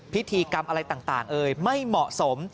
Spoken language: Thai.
พิธีกรรมอะไรต่างเอ่ยไม่เหมาะสม